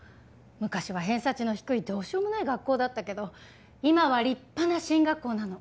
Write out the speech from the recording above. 昔は偏差値の低いどうしようもない学校だったけど今は立派な進学校なの。